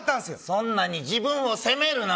そんなに自分を責めるな。